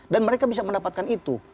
dan mereka bisa mendapatkan itu